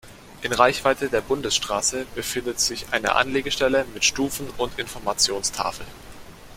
In Reichweite der Bundesstraße befindet sich eine Anlegestelle mit Stufen und Informationstafel.